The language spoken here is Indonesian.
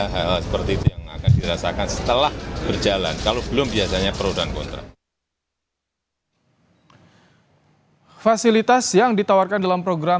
hal hal seperti itu yang akan dirasakan setelah berjalan kalau belum biasanya pro dan kontra